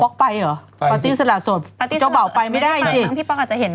ป๊อกไปเหรอปลาที่สลัดโสดเจ้าป่าวไปไม่ได้จริง